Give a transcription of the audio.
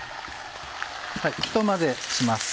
ひと混ぜします。